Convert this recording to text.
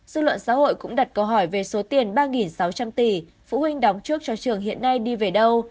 dư luận xã hội cũng đặt câu hỏi về số tiền ba sáu trăm linh tỷ phụ huynh đóng trước cho trường hiện nay đi về đâu